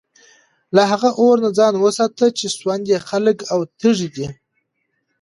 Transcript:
له هغه اور نه ځان وساتئ چي سوند ئې خلك او تيږي دي